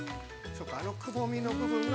◆くぼみの部分が。